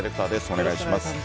お願いします。